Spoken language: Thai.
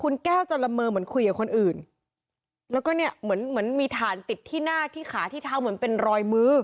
คุณแก้วจะละเมอเหมือนคุยกับคนอื่นแล้วก็เนี่ยเหมือนเหมือนมีถ่านติดที่หน้าที่ขาที่เท้าเหมือนเป็นรอยมือ